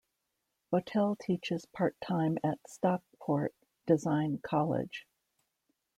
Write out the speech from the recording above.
Votel teaches part-time at Stockport Design College.